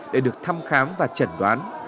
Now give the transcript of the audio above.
để được thăm khám và trần đoán